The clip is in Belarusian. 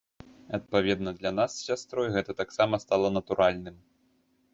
Адпаведна, для нас з сястрой гэта таксама стала натуральным.